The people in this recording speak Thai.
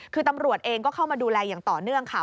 คือตำรวจเองก็เข้ามาดูแลอย่างต่อเนื่องค่ะ